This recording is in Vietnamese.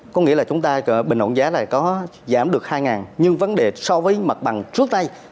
có nghĩa là chúng ta bình ổn giá này có giảm được hai nhưng vấn đề so với mặt bằng trước đây